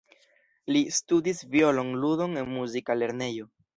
Li studis violon-ludon en muzika lernejo.